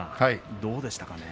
どうでしたか。